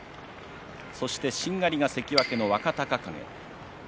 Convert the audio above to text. そして、しんがりが関脇の若隆景。